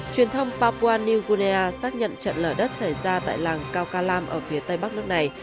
truyền thông papua new guinea xác nhận trận lở đất xảy ra tại làng kaukalam ở phía tây bắc nước này